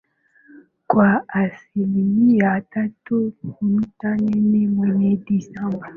kwa asilimia tatu nukta nne mwezi disemba